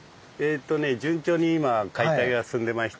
順調に今解体が進んでまして。